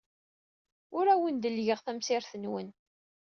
Ur awen-dellgeɣ tamesrit-nwen.